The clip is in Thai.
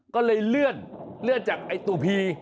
ก็เลยเลื่อนเลื่อนจากตัวพี